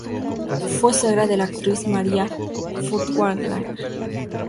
Fue suegra de la actriz Maria Furtwängler.